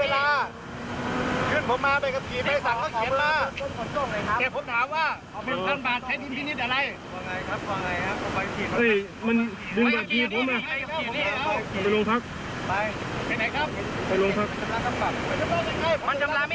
เอ๊ะมันดุนขาที่ผมอะ